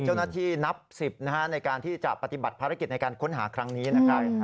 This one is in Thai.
เจ้าหน้าที่นับ๑๐ในการที่จะปฏิบัติภารกิจในการค้นหาครั้งนี้นะครับ